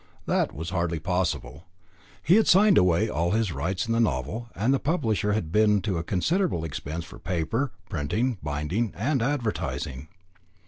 That was hardly possible. He had signed away all his rights in the novel, and the publisher had been to a considerable expense for paper, printing, binding, and advertising.